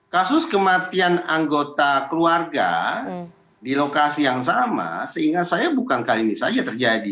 kasus kematian anggota keluarga di lokasi yang sama seingat saya bukan kali ini saja terjadi